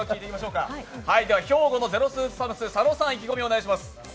兵庫のゼロスーツサムス佐野さん、意気込みをお願いします。